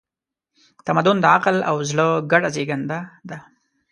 تمدن د عقل او زړه ګډه زېږنده ده.